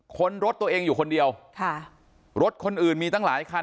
คนรถตัวเองอยู่คนเดียวค่ะรถคนอื่นมีตั้งหลายคัน